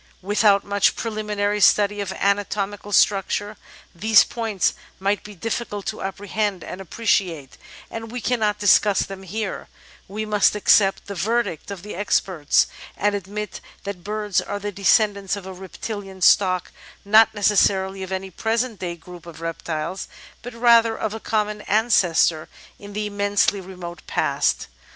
Without much preliminary study of anatomical structure, these points might be difficult to apprehend and appreciate, and we cannot discuss them here; we must ac cept the verdict of the experts, and admit that birds are the descendants of a reptilian stock — not necessarily of any present day group of reptiles, but rather of a common ancestor in the immensely remote past.